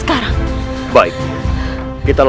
aku harus membantu